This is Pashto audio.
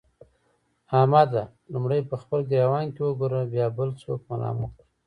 احمده! لومړی په خپل ګرېوان کې وګوره؛ بيا بل څوک ملامت کړه.